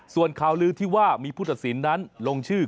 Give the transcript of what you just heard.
ส่วนข่าวลือที่ว่ามีผู้ตัดสินนั้นลงชื่อ